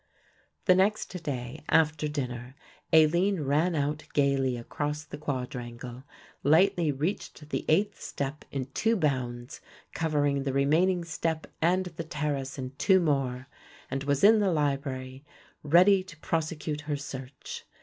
The next day after dinner Aline ran out gaily across the quadrangle, lightly reached the eighth step in two bounds, covering the remaining step and the terrace in two more, and was in the library ready to prosecute her search.